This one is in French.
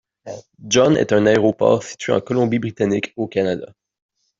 John est un aéroport situé en Colombie-Britannique, au Canada.